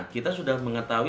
kita sudah mengetahui